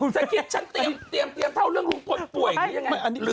สะกิดฉันเตรียมเตรียมเตรียมเท่าเรื่องลูกศพป่วยอย่างงี้